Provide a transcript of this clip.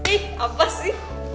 eh apa sih